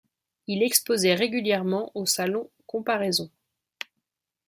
Il exposait régulièrement au Salon Comparaisons.